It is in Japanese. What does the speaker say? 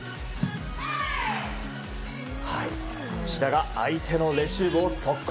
志田が相手のレシーブを速攻。